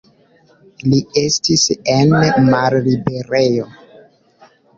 Li estis en malliberejo.